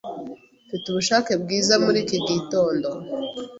Mfite ubushake bwiza muri iki gitondo.